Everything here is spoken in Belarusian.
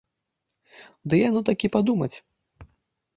Ды яно такі падумаць!